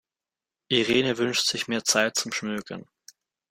Irene wünscht sich mehr Zeit zum Schmökern.